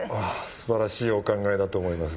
すばらしいお考えだと思います。